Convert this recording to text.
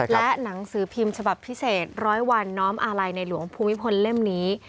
และหนังสือพิมพ์ฉบับพิเศษร้อยวันน้อมอาลัยในหลวงภูมิพลเล่มนี้